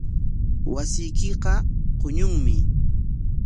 Wasiykiqa quñunmi.